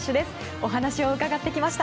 お話を伺ってきました。